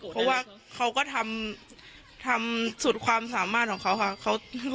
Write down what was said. เพราะว่าเขาก็ทำสุดความสามารถของเขาค่ะ